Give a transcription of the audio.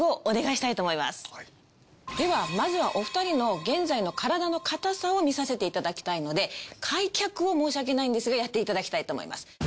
ではまずはお二人の現在の体の硬さを見させていただきたいので開脚を申し訳ないんですがやっていただきたいと思います。